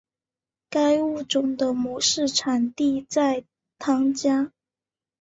该物种的模式产地在汤加。